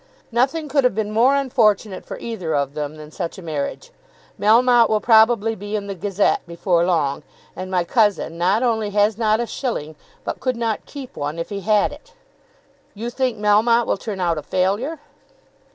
"Nothing could have been more unfortunate for either of them than such a marriage. Melmotte will probably be in the 'Gazette' before long, and my cousin not only has not a shilling, but could not keep one if he had it." "You think Melmotte will turn out a failure."